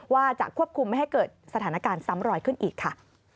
ว่าจะควบคุมไม่ให้เกิดสถานการณ์ซ้ำรอยขึ้นอีกค่ะ